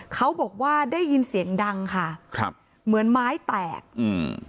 เขาบอกว่าได้ยินเสียงดังค่ะครับเหมือนไม้แตกอืม